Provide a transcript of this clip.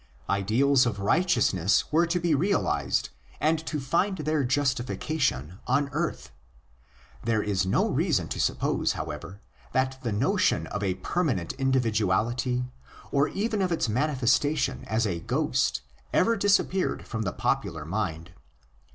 Ideals of righteousness were to be realised and to find their justification on earth. There is no reason to suppose, however, that the notion of a permanent individuality, or even of its manifestation as a '* ghost," ever disappeared from the popular mind.